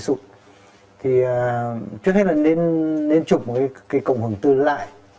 trước hết là nên chụp một cái cộng hồng tư lại